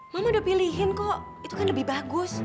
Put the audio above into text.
mama udah pilihin kok itu kan lebih bagus